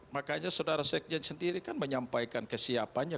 makanya saudara sekjen sendiri kan menyampaikan kesiapannya